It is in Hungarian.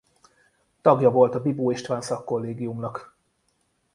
Tagja volt a Bibó István Szakkollégiumnak.